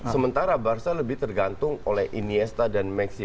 sementara barca lebih tergantung oleh iniesta dan maxi